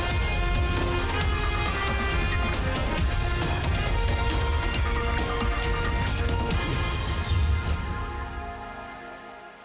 โปรดติดตามตอนต่อไป